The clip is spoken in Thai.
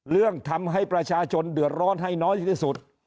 เรื่องทำให้ประชาชนเดือดร้อนให้น้อยที่สุด